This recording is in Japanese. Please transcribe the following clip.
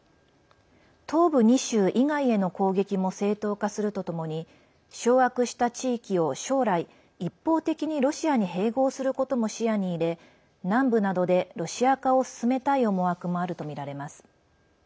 東部２州以外への攻撃も正当化するとともに掌握した地域を将来一方的にロシアに併合することも視野に入れ南部などでロシア化を進めたい思惑もあるとみられます。